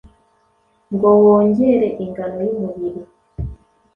ngo wongere ingano y’umubiri